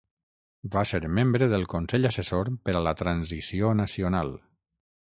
Va ser membre del Consell Assessor per a la Transició Nacional.